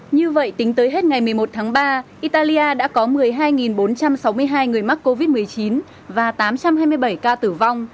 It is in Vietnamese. như vậy tính tới hết ngày một mươi một tháng ba italia đã có một mươi hai bốn trăm sáu mươi hai người mắc covid một mươi chín và tám trăm hai mươi bảy ca tử vong